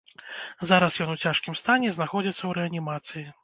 Зараз ён ў цяжкім стане знаходзіцца ў рэанімацыі.